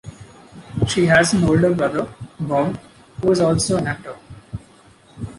She has an older brother, Bob, who is also an actor.